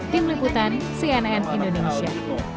tim liputan cnn indonesia